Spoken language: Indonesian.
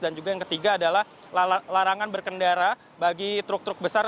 dan juga yang ketiga adalah larangan berkendara bagi truk truk besar